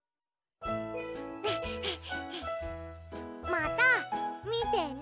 また見てね。